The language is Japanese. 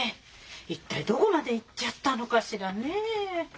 一体どこまで行っちゃったのかしらねえ。